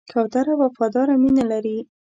کوتره وفاداره مینه لري.